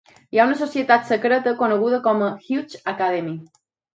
Hi ha una societat secreta coneguda com a "Hughes Academy".